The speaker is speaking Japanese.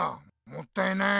もったいない。